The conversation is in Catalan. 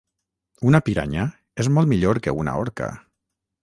Una piranya és molt millor que una orca